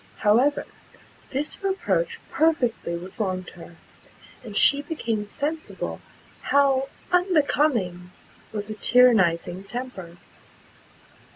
However, this reproach perfectly reformed her, and she became sensible how unbecoming was a tyrannizing temper.